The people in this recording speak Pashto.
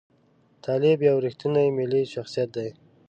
طالب یو ریښتونی ملي شخصیت دی.